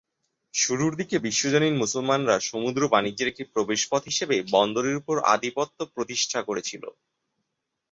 শুরুর দিকের বিশ্বজনীন মুসলমানরা সমুদ্র বাণিজ্যের একটি প্রবেশপথ হিসেবে বন্দরের উপর আধিপত্য প্রতিষ্ঠা করেছিল।